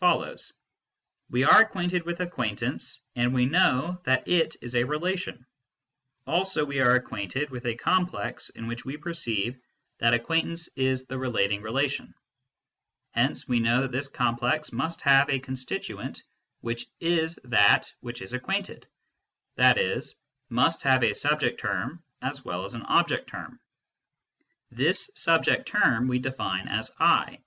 follows ; We are acquainted with acquaintance, and we know that it is a relation. Also we are acquainted with a corn pi ex in which we perceive that acquaintance wQ Afi. iJ/Vi u bUNn* j f\ ;wU>A 212 MYSTICISM AND LOGIC isjhe relating relation . Hence we know that this complex must have a constituent which is that which is acquainted, i.e. must have a subject term as well as an object term. This subject term we define as " I."